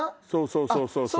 そうそうそうそう。